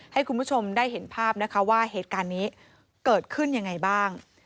ให้คุณผู้ชมได้เห็นภาพนะคะว่าเหตุการณ์นี้เกิดขึ้นยังไงบ้าง